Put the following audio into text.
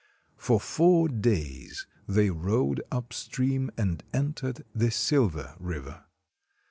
For four days they rowed upstream and entered the Silver River.